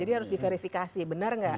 jadi harus diverifikasi benar nggak